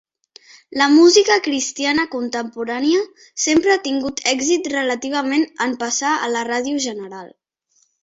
La música cristiana contemporània sempre ha tingut èxit relativament en passar a la ràdio general.